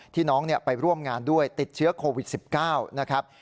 น้องไปร่วมงานด้วยติดเชื้อโควิด๑๙นะครับ